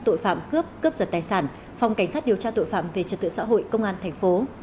tội phạm cướp cướp giật tài sản phòng cảnh sát điều tra tội phạm về trật tự xã hội công an thành phố